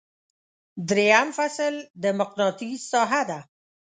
دریم فصل د مقناطیس ساحه ده.